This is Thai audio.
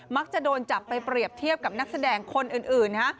มักจะโดนจับไปเปรียบเทียบกับนักแสดงคนอื่นนะฮะ